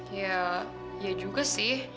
ya ya juga sih